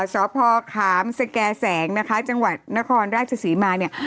สพขามสแก่แสงนะคะจังหวัดนครราชศรีมาเนี่ย